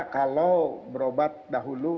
kalau berobat dahulu